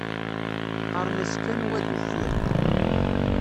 Qqaṛen-as kan wa d uffir.